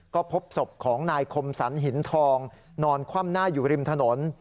ก็พบศพของนายคมสรรหินทองนอนคว่ำหน้าอยู่ริมถนน